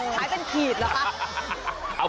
ขายเป็นขีดเหรอคะ